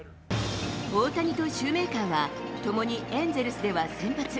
大谷とシューメーカーは、共にエンゼルスでは先発。